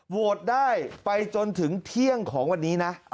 โหวตได้ไปจนถึงเที่ยงของวันนี้นะ